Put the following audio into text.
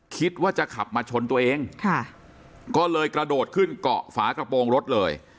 คิดว่าจะขับมาชนตัวเองค่ะก็เลยกระโดดขึ้นเกาะฝากระโปรงรถเลย